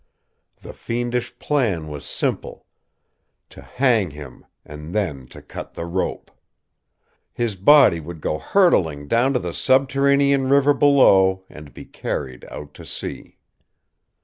The fiendish plan was simple to hang him and then to cut the rope. His body would go hurtling down to the subterranean river below and be carried out to sea.